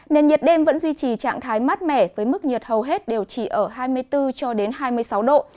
nền nhiệt đêm vẫn duy trì trạng thái mát mẻ với mức nhiệt hầu hết đều chỉ ở hai mươi bốn cho đến hai mươi sáu độ